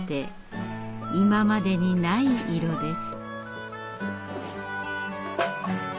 今までにない色です。